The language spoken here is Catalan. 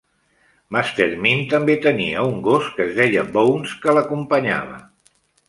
Master Mind també tenia un gos que es deia Bones, que l'acompanyava.